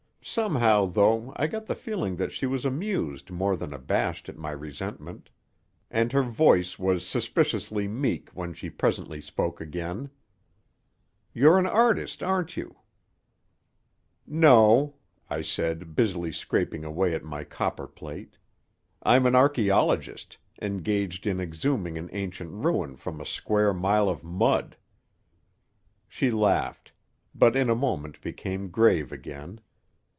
Somehow, though, I got the feeling that she was amused more than abashed at my resentment. And her voice was suspiciously meek when she presently spoke again. "You're an artist, aren't you?" "No," I said, busily scraping away at my copperplate. "I'm an archeologist, engaged in exhuming an ancient ruin from a square mile of mud." She laughed; but in a moment became grave again.